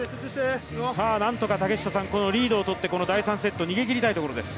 何とかこのリードをとって、第３セット、逃げ切りたいところです。